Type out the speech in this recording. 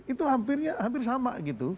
itu hampir sama